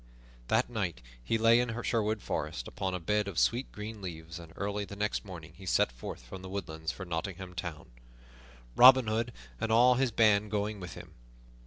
That night he lay in Sherwood Forest upon a bed of sweet green leaves, and early the next morning he set forth from the woodlands for Nottingham Town, Robin Hood and all of his band going with him.